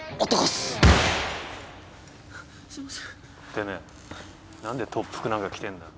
てめえ何で特服なんか着てんだよ。